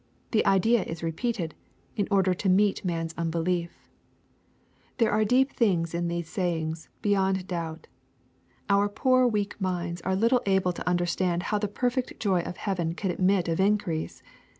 The idea is repeated, in' order to meet man's unbelief. There are deep things in these sayings, beyond doubt. Our poor weak minds are little able to understand how the perfect joy of heaven can admit of increase.